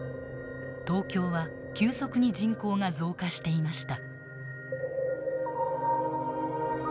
東京は急速に人口が増加していました。